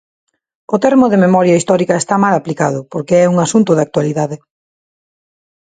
O termo de memoria histórica está mal aplicado, porque é un asunto de actualidade.